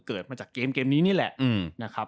เกิดมาจากเกมนี้นี่แหละ